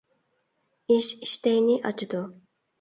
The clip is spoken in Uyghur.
ئىش ئىشتەينى ئاچىدۇ.